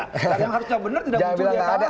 karena yang harusnya benar tidak muncul di atas rasa